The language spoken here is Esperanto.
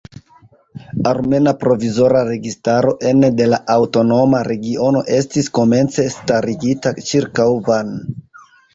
Armena provizora registaro ene de la aŭtonoma regiono estis komence starigita ĉirkaŭ Van.